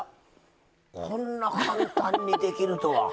こんな簡単にできるとは。